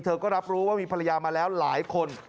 ก็รับรู้ว่ามีภรรยามาแล้วหลายคน